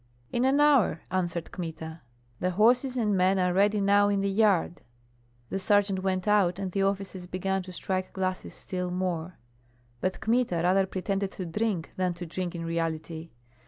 "In an hour," answered Kmita. "The horses and men are ready now in the yard." The sergeant went out, and the officers began to strike glasses still more; but Kmita rather pretended to drink than to drink in reality.